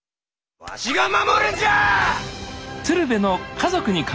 わしが守るんじゃ！